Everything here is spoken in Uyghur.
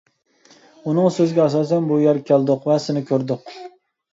ئۇنىڭ سۆزىگە ئاساسەن بۇ يەرگە كەلدۇق ۋە سېنى كۆردۇق.